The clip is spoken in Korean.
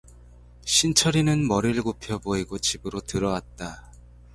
신철이는 머리를 굽혀 보이고 집으로 들어왔다.